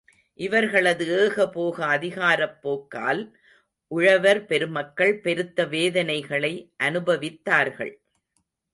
இவர்களது ஏகபோக அதிகாரப் போக்கால், உழவர் பெருமக்கள் பெருத்த வேதனைகளை அனுபவித்தார்கள்.